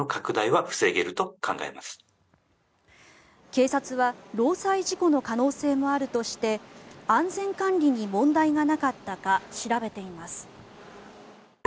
警察は労災事故の可能性もあるとして安全管理に問題がなかったか調べています。